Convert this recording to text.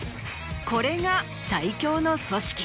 これが最強の組織。